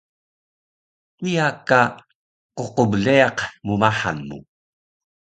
kiya ka qqbleyaq mmahan mu